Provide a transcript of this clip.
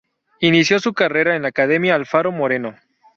Inicio su carrera en la Academia Alfaro Moreno.